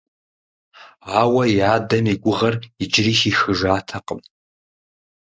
Ауэ и адэм и гугъэр иджыри хихыжатэкъым.